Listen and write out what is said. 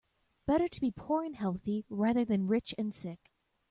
Better to be poor and healthy rather than rich and sick.